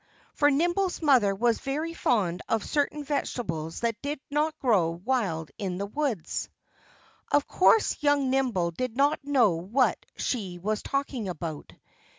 For Nimble's mother was very fond of certain vegetables that did not grow wild in the woods. Of course young Nimble did not know what she was talking about.